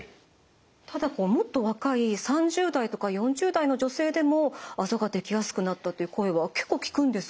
ただもっと若い３０代とか４０代の女性でもあざができやすくなったっていう声は結構聞くんですけど。